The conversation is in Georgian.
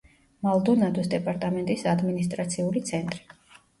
მალდონადოს დეპარტამენტის ადმინისტრაციული ცენტრი.